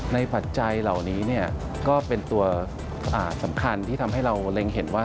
ปัจจัยเหล่านี้ก็เป็นตัวสำคัญที่ทำให้เราเล็งเห็นว่า